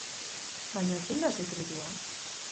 Baina zein da sekretua?